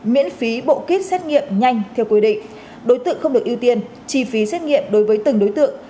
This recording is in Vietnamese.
miễn phí bộ kit xét nghiệm nhanh theo quy định đối tượng không được ưu tiên chi phí xét nghiệm đối với từng đối tượng